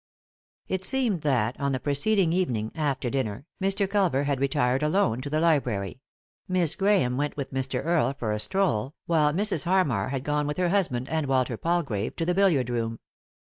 It seemed that, on the preceding evening, after dinner, Mr. Culver had retired alone to the library ; Miss Grahame went with Mr. Earle for a stroll, while Mrs. Harmar had gone with her husband and Walter Palgrave to the billiard room.